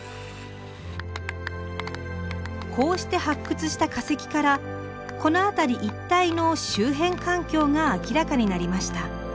こうして発掘した化石からこの辺り一帯の周辺環境が明らかになりました。